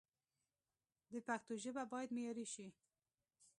د پښتو ژبه باید معیاري شي